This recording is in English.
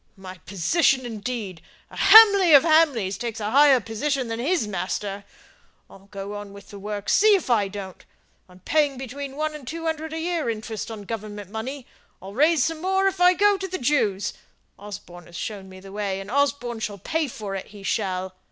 My position, indeed! A Hamley of Hamley takes a higher position than his master. I'll go on with the works, see if I don't! I'm paying between one and two hundred a year interest on Government money. I'll raise some more if I go to the Jews; Osborne has shown me the way, and Osborne shall pay for it he shall.